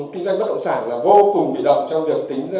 kinh doanh vất động sản là vô cùng bị động trong việc tính giá bán